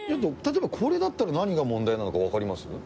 例えばこれだったら何が問題なのかわかります？